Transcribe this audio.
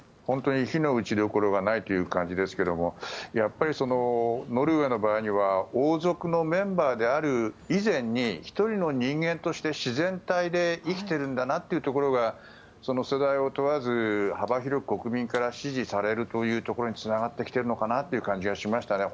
非の打ち所がないという感じですがやっぱりノルウェーの場合は王族のメンバーである以前に１人の人間として自然体で生きているんだなというところが世代を問わず幅広く国民から支持されるというところにつながってきているのかなという感じがしました。